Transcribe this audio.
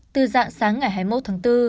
từ dạng sáng ngày hai mươi một tháng bốn